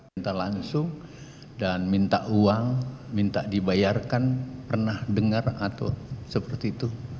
minta langsung dan minta uang minta dibayarkan pernah dengar atau seperti itu